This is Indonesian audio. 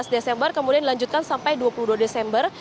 dua belas desember kemudian dilanjutkan sampai dua puluh dua desember